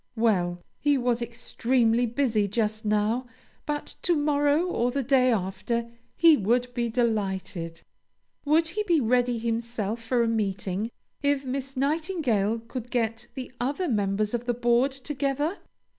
Well, he was extremely busy just now, but to morrow or the day after, he would be delighted Would he be ready himself for a meeting, if Miss Nightingale could get the other members of the board together?